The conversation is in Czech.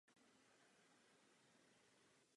Ovoce za větru ze stromu padá.